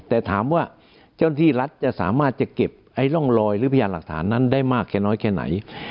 แต่ถามว่าเจ้าหน้าที่รัฐจะสามารถจะเก็บร่องรอยหรือพยานหลักฐานนั้นได้มากแค่น้อยแค่ไหน